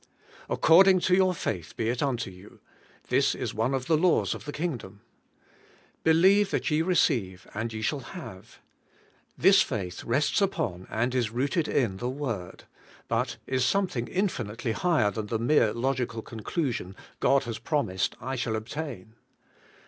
'According to your faith be it unto you :' this is one of the laws of the kingdom. 'Believe that ye receive, and ye shall have.' This faith rests upon, and is rooted in the Word; but is something infinitely higher than the mere logical conclusion: God has promised, I shall obtain.